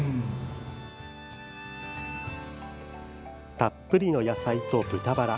たっぷりの野菜と豚バラ。